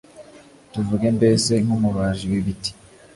Tuvuge mbese nk’umubaji w’ibiti,